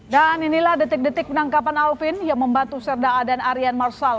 dan inilah detik detik penangkapan alvin yang membantu serda adan aryan marshal